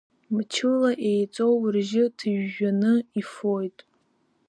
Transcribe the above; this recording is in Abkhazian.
Мчыла еиҵоу ржьы ҭыжәжәаны ифоит.